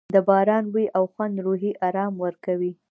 د باران بوی او خوند روحي آرام ورکوي.